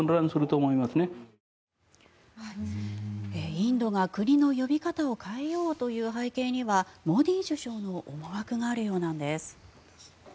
インドが国の呼び方を変えようという背景にはモディ首相の思惑があるようなんです。